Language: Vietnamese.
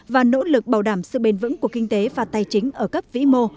và nỗ lực bảo đảm sự bền vững của kinh tế và tài chính ở các vĩ mô